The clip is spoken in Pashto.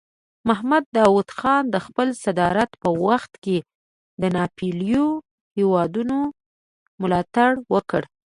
محمد داود خان د خپل صدارت په وخت کې د ناپېیلو هیوادونو ملاتړ وکړ.